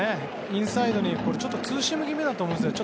インサイドにツーシーム気味だと思うんですね。